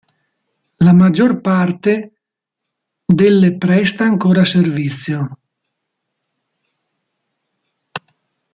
La maggior parte delle presta ancora servizio.